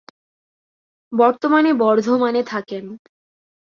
বর্তমানে বর্ধমানে থাকেন।